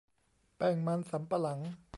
แป้งมันสำปะหลัง